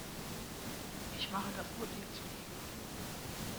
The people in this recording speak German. Ich mache das nur dir zuliebe.